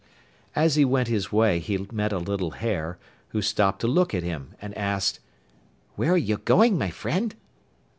As he went his way he met a little hare, who stopped to look at him, and asked: 'Where are you going, my friend?